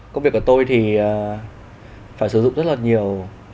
công việc của tôi thì phải sử dụng rất là nhiều